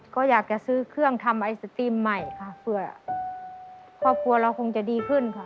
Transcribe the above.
ก็อยากจะซื้อเครื่องทำไอศครีมใหม่ค่ะเผื่อครอบครัวเราคงจะดีขึ้นค่ะ